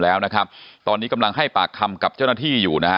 แล้วนะครับตอนนี้กำลังให้ปากคำกับเจ้าหน้าที่อยู่นะฮะ